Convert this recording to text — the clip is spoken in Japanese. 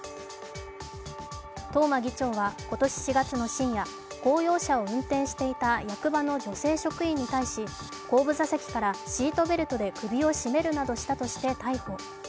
東間議長は今年４月の深夜、公用車を運転していた役場の女性職員に対し、後部座席からシートベルトで首を絞めるなどしたとして逮捕。